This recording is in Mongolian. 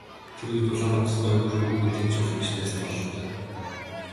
Тэр үед Улаанбаатарт гоё хөөрхөн хүүхэн тийм ч олон биш байсан бололтой.